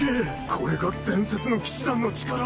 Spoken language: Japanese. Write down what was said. これが伝説の騎士団の力。